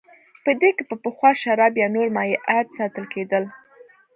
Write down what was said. په دې کې به پخوا شراب یا نور مایعات ساتل کېدل